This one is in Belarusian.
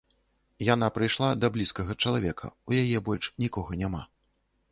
Яна прыйшла да блізкага чалавека, у яе больш нікога няма.